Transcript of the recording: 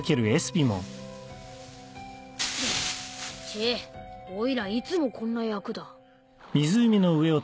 ちぇっおいらいつもこんな役だ。